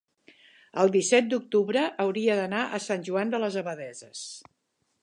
el disset d'octubre hauria d'anar a Sant Joan de les Abadesses.